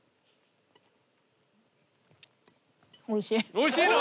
おいしいの？